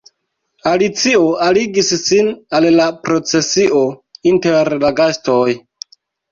Alicio aligis sin al la procesio inter la gastoj.